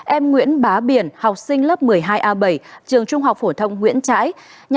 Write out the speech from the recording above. em nguyễn bá biển học sinh lớp một mươi hai a bảy trường trung học phổ thông nguyễn trãi